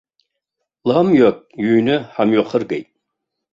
Ламиак иҩны ҳамҩахыргеит.